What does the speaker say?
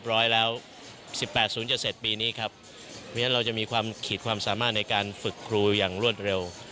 ไม่มีความสามารถในการฝึกครูอย่างรวดเร็ว